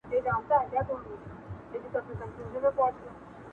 ښکاري و ویشتی هغه موږک یارانو-